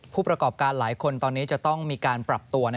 ผู้ประกอบการหลายคนตอนนี้จะต้องมีการปรับตัว